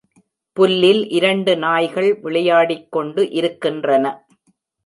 புல்லில் இரண்டு நாய்கள் விளையாடிக்கொண்டு இருக்கின்றன